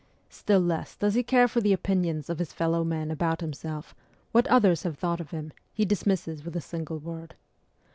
Still less does he care for the opinions of his fellow men about himself ; what others have thought of him, he dismisses with a single word.